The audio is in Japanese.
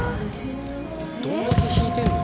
どんだけ引いてんの？